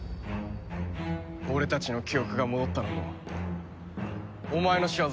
俺たちの記憶が戻ったのもお前の仕業か。